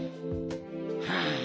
はあ。